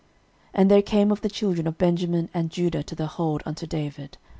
13:012:016 And there came of the children of Benjamin and Judah to the hold unto David.